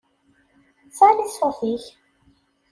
Sali ṣṣut-ik!